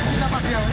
ini dapat dia